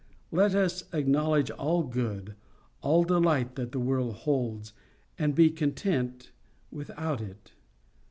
Let us acknowledge all good, all delight that the world holds, and be content without it.